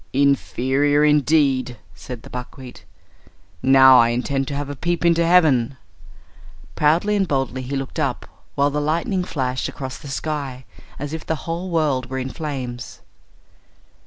"Inferior, indeed!" said the buckwheat. "Now I intend to have a peep into heaven." Proudly and boldly he looked up, while the lightning flashed across the sky as if the whole world were in flames.